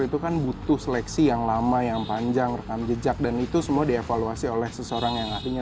itu kan butuh seleksi yang lama yang panjang rekam jejak dan itu semua dievaluasi oleh seseorang yang artinya